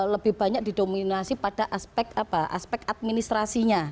lebih banyak didominasi pada aspek administrasinya